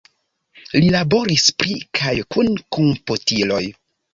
Li laboris pri kaj kun komputiloj.